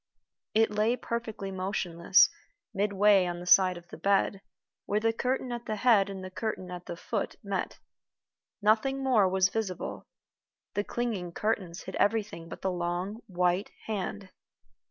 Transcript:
It lay perfectly motionless midway on the side of the bed, where the curtain at the head and the curtain at the foot met. Nothing more was visible. The clinging curtains hid everything but the long white hand.